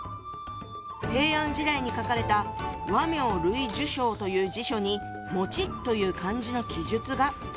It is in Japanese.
平安時代に書かれた「倭名類聚抄」という辞書に「」という漢字の記述が。